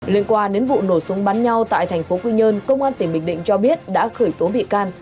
liên quan đến vụ nổ súng bắn nhau tại thành phố quy nhơn công an tỉnh bình định cho biết đã khởi tố bị can